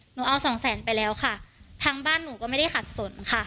หนูเอาสองแสนไปแล้วค่ะทางบ้านหนูก็ไม่ได้ขัดสนค่ะ